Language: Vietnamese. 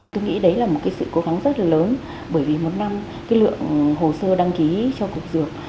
tôi nghĩ đấy là một sự cố gắng rất lớn bởi vì một năm lượng hồ sơ đăng ký cho cục dược